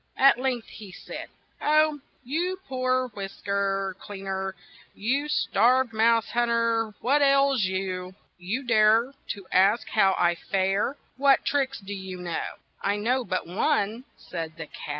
At length he said: "Oh, you poor whisk er clean er, you starved mouse hunt er, what ails you? You dare to ask how I fare ! What tricks do you know ?'' "I know but one," said the cat.